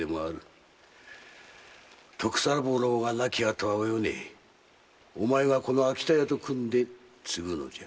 徳三郎が亡きあとはお米がこの秋田屋と組んで継ぐのじゃ。